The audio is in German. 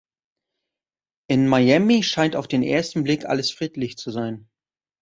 In Miami scheint auf den ersten Blick alles friedlich zu sein.